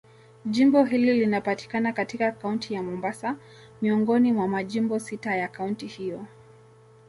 Jimbo hili linapatikana katika Kaunti ya Mombasa, miongoni mwa majimbo sita ya kaunti hiyo.